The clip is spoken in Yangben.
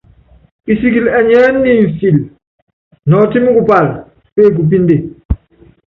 Kisikili ɛnyiɛ́ nimfíli nɔtími kupála, pékupínde.